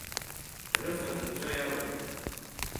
Рыфатә нҵәо иалагеит.